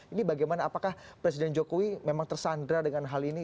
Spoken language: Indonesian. ini bagaimana apakah presiden jokowi memang tersandra dengan hal ini